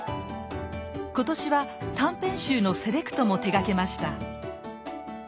今年は短編集のセレクトも手がけました。